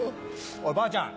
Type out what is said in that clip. おいばあちゃん。